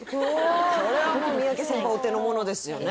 それはもう三宅先輩お手の物ですよね